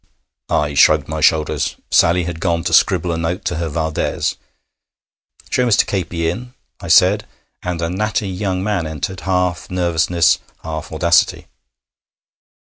I shrugged my shoulders. Sally had gone to scribble a note to her Valdès. 'Show Mr. Capey in,' I said, and a natty young man entered, half nervousness, half audacity.